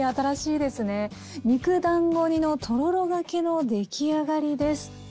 肉だんご煮のとろろがけの出来上がりです。